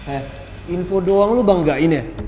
eh info doang lu banggain ya